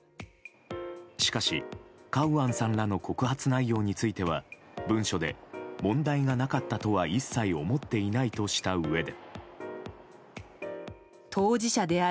しかし、カウアンさんらの告発内容については、文書で問題がなかったとは一切思っていないとしたうえで。